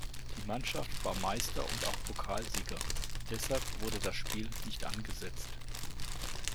Die Mannschaft war Meister und auch Pokalsieger, deshalb wurde das Spiel nicht angesetzt.